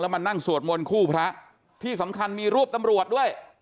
มานั่งสวดมนต์คู่พระที่สำคัญมีรูปตำรวจด้วย